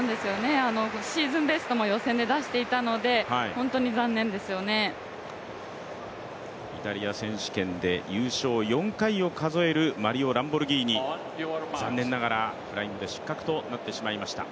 シーズンベストも予選で出していたので、本当に残念ですよねイタリア選手権で優勝４回を数えるマリオ・ランボルギーニ残念ながらフライングで失格となってしまいました。